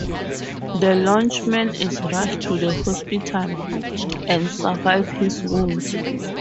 The lunchman is rushed to the hospital and survives his wounds.